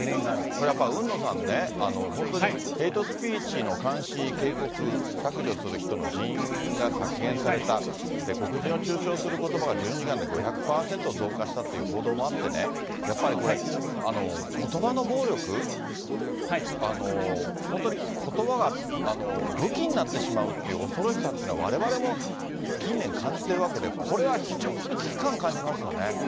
これやっぱ、海野さんね、これ、ヘイトスピーチの監視、警告、削除する人が削減された、黒人を中傷することばが１２時間で５００％増加したっていう報道もあってね、やっぱりこれ、ことばの暴力、本当にことばが武器になってしまうっていう恐ろしさというのは、われわれも近年感じてるわけで、これは非常に危機感感じますよね。